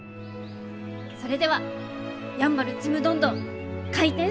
それではやんばるちむどんどん開店します！